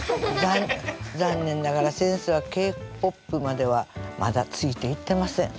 残念ながら先生はＫ−ＰＯＰまではまだついていってません。